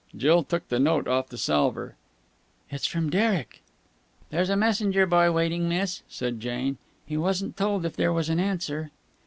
Jill took the note off the salver. "It's from Derek." "There's a messenger boy waiting, miss," said Jane. "He wasn't told if there was an answer."